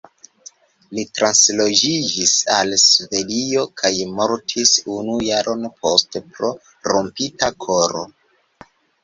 Li transloĝiĝis al Svedio kaj mortis unu jaron poste pro "rompita koro".